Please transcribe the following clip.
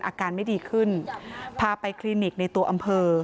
อาการไม่ดีขึ้นพาไปคลินิกในตัวอำเภอ